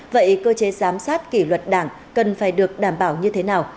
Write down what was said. vậy cơ chế giám sát kỷ luật đảng cần phải được đảm bảo như thế nào